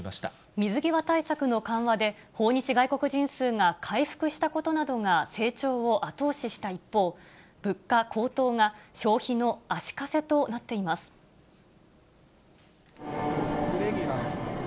水際対策の緩和で、訪日外国人数が回復したことなどが成長を後押しした一方、物価高騰が消費の足かせとなっています。